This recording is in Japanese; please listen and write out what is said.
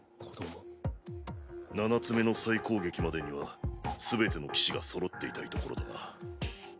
七つ眼の再攻撃までには全ての騎士がそろっていたいところだな。